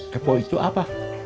kepo itu apa